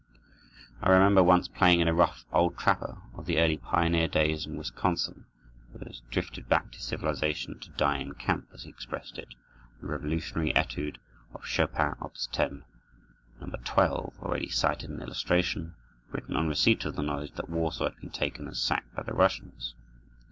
I remember once playing to a rough old trapper, of the early pioneer days in Wisconsin, who had drifted back to civilization to "die in camp," as he expressed it, the Revolutionary Etude of Chopin, Op. 10, No. 12, already cited in illustration, written on receipt of the knowledge that Warsaw had been taken and sacked by the Russians.